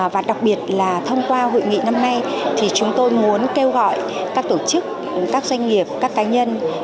và đặc biệt là thông qua hội nghị năm nay thì chúng tôi muốn kêu gọi các tổ chức các doanh nghiệp các cá nhân